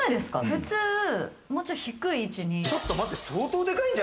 普通、もうちょっと低い位置に。